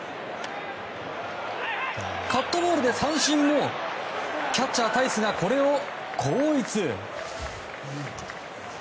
カットボールで三振もキャッチャー、タイスがこれを後逸。